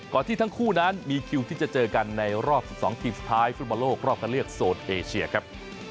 ที่ทั้งคู่นั้นมีคิวที่จะเจอกันในรอบ๑๒ทีมสุดท้ายฟุตบอลโลกรอบคันเลือกโซนเอเชียครับ